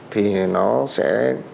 thì nó sẽ